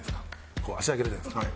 こう足上げるじゃないですか。